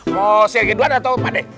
mau sergei duluan atau pak dek